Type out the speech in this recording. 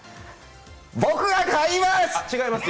僕は買います！